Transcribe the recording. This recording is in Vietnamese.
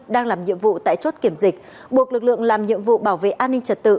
đang làm nhiệm vụ tại chốt kiểm dịch buộc lực lượng làm nhiệm vụ bảo vệ an ninh trật tự